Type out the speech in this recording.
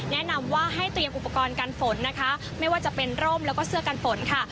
แนะนำว่าให้เตรียมอุปกรณ์กันฝนนะคะไม่ว่าจะเป็นร่มแล้วก็เสื้อกันฝนค่ะ